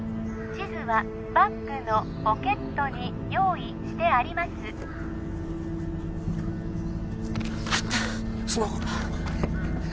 地図はバッグのポケットに用意してありますあったスマホ